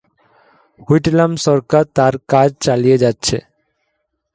Whitlam সরকার তার কাজ চালিয়ে যাচ্ছে।